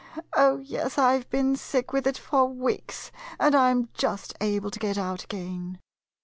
Oh, yes, I 've been sick with it for weeks, and I 'm just able to get out again.